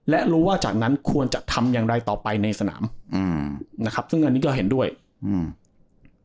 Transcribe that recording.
และรู้ว่าจากนั้นควรจะทำอย่างไรต่อไปในสนามอืมนะครับซึ่งอันนี้ก็เห็นด้วยอืม